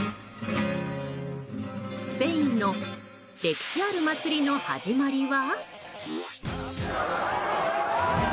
スペインの歴史ある祭りの始まりは？